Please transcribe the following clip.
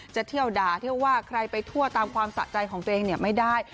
จะเที่ยวด่าเที่ยวว่าใครไปทั่วตามความสะใจของตัวเองไม่ได้